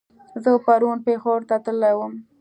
زه پرون پېښور ته تللی ووم